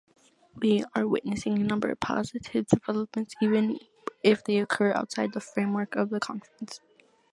We are witnessing a number of positive developments, even if they occur outside the framework of the Conference.